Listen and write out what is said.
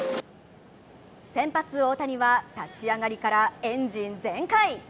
先発・大谷は立ち上がりからエンジン全開。